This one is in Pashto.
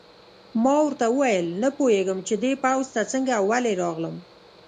ما ورته وویل: نه پوهېږم چې دې پوځ ته څنګه او ولې راغلم.